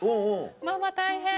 ママ大変。